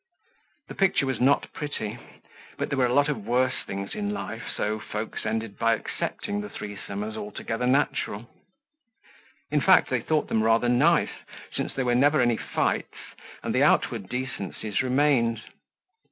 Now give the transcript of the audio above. The picture was not pretty, but there were a lot of worse things in life, so folks ended by accepting the threesome as altogether natural. In fact, they thought them rather nice since there were never any fights and the outward decencies remained.